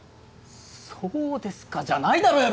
「そうですか」じゃないだろう